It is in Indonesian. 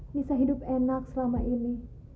bisa hidup enak selama ini